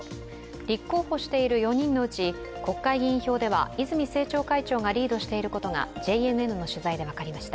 立候補している４人のうち国会議員票では泉政調会長がリードしていることがＪＮＮの取材で分かりました。